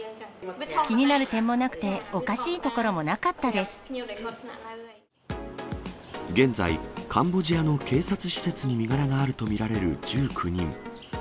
気になる点もなくて、おかしいと現在、カンボジアの警察施設に身柄があると見られる１９人。